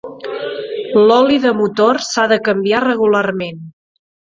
L'oli de motor s'ha de canviar regularment.